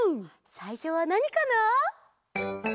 さいしょはなにかな？